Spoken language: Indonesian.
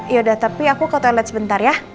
yaudah tapi aku ke toilet sebentar ya